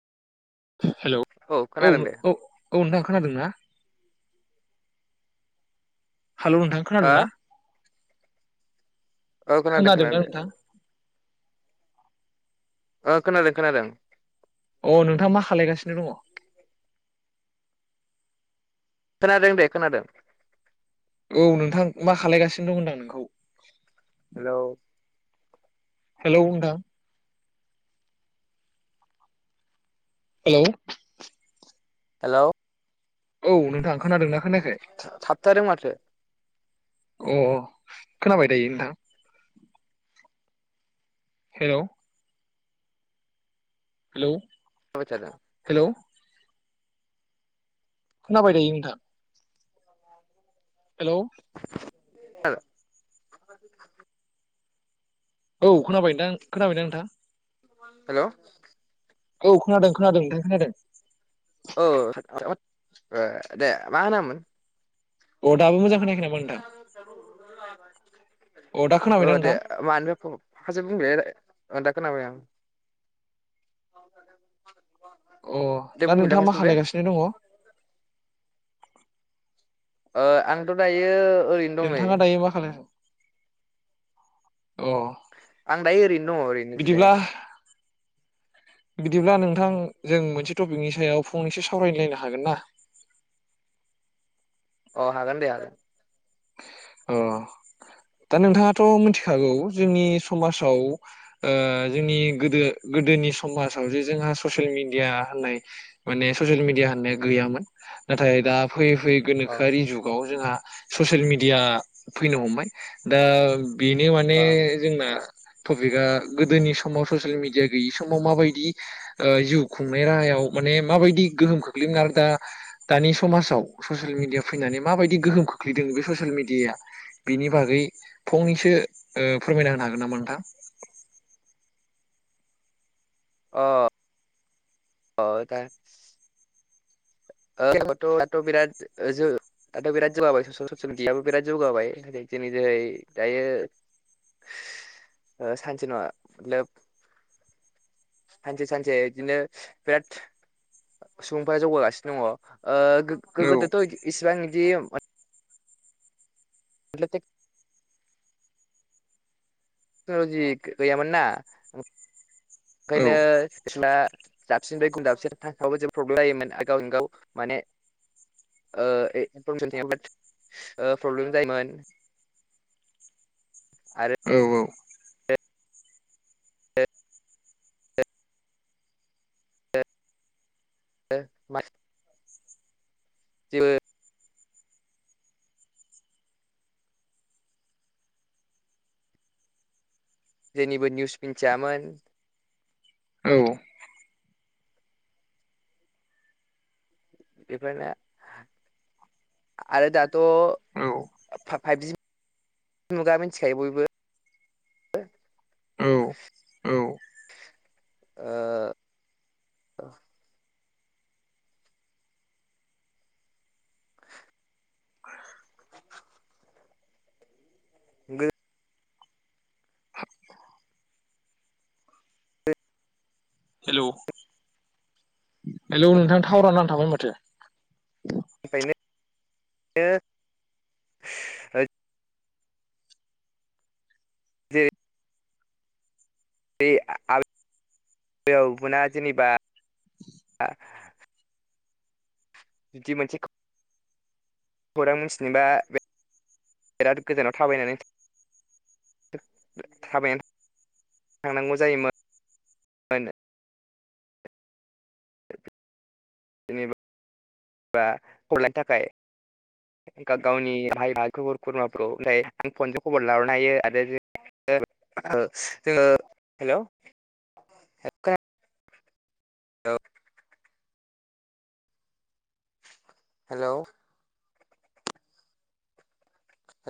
Hello औ खोनादों नों दे औ औ नोंथां खोनादों ना? हेलौ नोंथां हा खोनादोंना? औ खोनादों खोनादो। नोंथां ओ खोनादो खोनादों। अ नोंथां मा खालायगासिनो दङ? खोनादों दे खोनादों। औ नोंथां मा खालायगासिनो दं होनदां नोंखौ? हेलौ, हेलौ, नोथां हेलौ, हेलौ, औ नोंथां खोनादोंना खोना थाबथादों माथो अ अ खोनाबाय दायो नोथां हेलौ, हेलौ, [unintelligible] औ खोनाबाय दायो नोंथां हेलौ, [unintelligible] औ खोनाबायदां खोनाबायना नोंथां हेलौ, औ खोनादों खोनादों नोंथां खोनादों औ दे मा होनोमोन अ दाबो मोजां खोनायाखै नामा नोंथां अ दा [unintelligible] औ खोनाबायना दे नोंथां मानो बे माखासो बुंल खोनाबाय आं अ दे दा बुंफिनलाय नोंथाङा मा फार्स्टनिफ्राय खालायगासिनो दंङ ओ आंथ' दायो ओरैनो दं नै नोंथाङा दायो मा खालाम आं दायो ओरैनो दंङ ओरैनो बिदिब्ला जिरायना दं बिदिब्ला नोंथां जों मोनसे टपिकनि सायाव फंनैसो सावरायलायनो हागोन ना अ हागोन दे आरो अ दा नोंथाङाथ' मिथिखागौ जोंनि समाजाव ओ जोंनि गोदो गोदोनि समाजाव जे जोंहा ससियेल मिडिया होननाय माने ससियेल मिडिया होननाय गैयामोन नाथाय दा फैयै फैयै अ गोनोखोआरि जुगाव जोंहा ससियेल मि दिया फैनो हमबाय दा बेनो माने अ जोंना टपिकआ गोदोनि समाव ससियेल मिडिया गैयि समाव माबायदि ओ जिउ खुंनाय राहा याव माने माबायदि गोहोम खोख्लैमोन आरो दा दानि समाजाव ससिल मिडिया फैनानै माबायदि गो होम खोख्लैदों बे फोर मिडियााया बिनि बागै फंनैसो ओ फोरमायना होनो हागोन नामा नोंथां [inaudible] अ औ दा ओ दाथ' थ' बिराद दाथ' बिराद जौगाबाय ससियेल मिडियाबो बिराद जौगाबाय जोंनि जेरै दायो ओ सानसे नङा [unintelligible] सानसे सानसे बिदिनो बिराद सुबुंफोरा जौगागासि नो दंङ ओ औ गो-गोदोथ' इसिबां बिदि [unintelligible] टेक्न'लजि गैयामोन ना औ ओंखायनो सिस्ला दाबसिनफ्राय गुबुन दाबसे थांखाब जेबो प्रब्लेम जायोमोन गावजों गाव माने ओ [unintelligible] प्रब्लेम जायोमोन आरो औ औ [unintelligible] जेनिबो निउस मिन्थियामोन औ बेफोरनो आरो दाथ' औ फा--फाइभजि मुगा मिथिखायो बयबो औ औ ओ गो गोदोनिफ्रायनो हेल' हलौ नोंथां थावराव नांथाबोन माथो ओखायनो जे बे आरो ना जेनेबा बिदि मोनसे खौरां मिथिनोबा बिराद गोजानाव थाबायनानै थाबायानो थांनांगौ जायोमोननो [unintelligible] [inaudible] जेनबा हरलायनो थाखाय गावनि भाइ बाह खबर खुरमाखौ ओमफ्राय आं फनजों खबर लाहरो हायो आरो जों [unintelligible] [inaudible] हेल' [unintelligible] [inaudible] औ हेल'